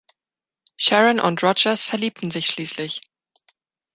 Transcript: Sharon und Rogers verliebten sich schließlich.